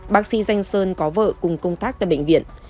bác sĩ danh sơn có vợ cùng công tác tại bệnh viện